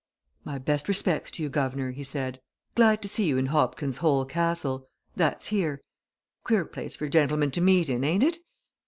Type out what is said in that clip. "My best respects to you, guv'nor," he said. "Glad to see you in Hobkin's Hole Castle that's here. Queer place for gentlemen to meet in, ain't it?